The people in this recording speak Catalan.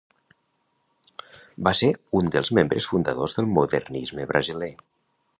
Va ser un dels membres fundadors del modernisme brasiler.